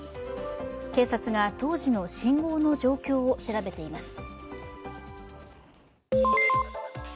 警察が当時の信号の状況を調べています。